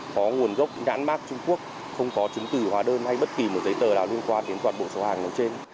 có nguồn gốc nhãn mát trung quốc không có chứng tử hóa đơn hay bất kỳ một giấy tờ nào liên quan đến toàn bộ số hàng nói trên